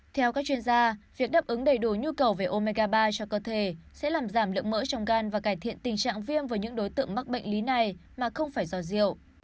theo các chuyên gia việc đáp ứng đầy đủ nhu cầu về omega ba cho cơ thể sẽ làm giảm lượng mỡ trong gan và cải thiện tình trạng viêm với những đối tượng mắc bệnh lý này mà không phải do rượu